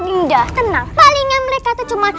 dinda tenang palingnya mereka tuh cuma